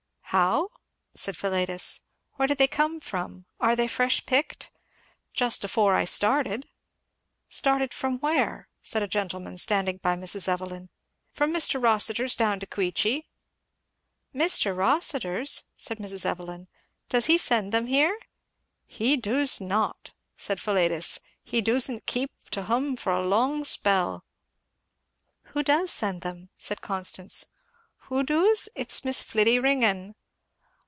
"How? " said Philetus. "Where do they come from? Are they fresh picked?" "Just afore I started." "Started from where?" said a gentleman standing by Mrs. Evelyn. "From Mr. Rossitur's down to Queechy." "Mr. Rossitur's!" said Mrs. Evelyn; "does he send them here?" "He doos not," said Philetus; "he doosn't keep to hum for a long spell." "Who does send them then?" said Constance. "Who doos? It's Miss Fliddy Ringgan."